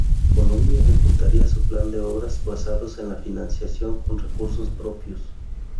Colombi ejecutaría su plan de obras, basados en la financiación con recursos propios.